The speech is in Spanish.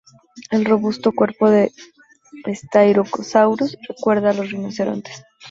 El robusto cuerpo de "Styracosaurus" recuerda a los de los rinocerontes.